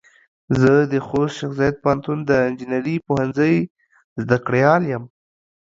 زه د خوست شیخ زايد پوهنتون د انجنیري پوهنځۍ زده کړيال يم.